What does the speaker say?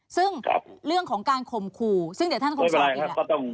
ซึ่งครับเรื่องของการข่มขู่ซึ่งเดี๋ยวท่านไม่เป็นไรครับก็ต้อง